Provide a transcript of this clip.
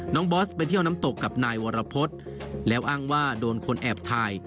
บอสไปเที่ยวน้ำตกกับนายวรพฤษแล้วอ้างว่าโดนคนแอบถ่าย